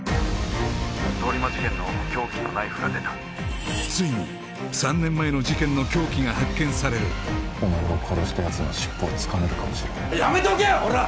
☎通り魔事件の凶器のナイフが出たついに３年前の事件の凶器が発見されるお前を殺したやつの尻尾をつかめるかもしれないやめとけよこら！